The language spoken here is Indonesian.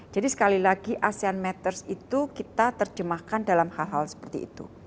jadi sekali lagi asean matters itu kita terjemahkan dalam hal hal seperti itu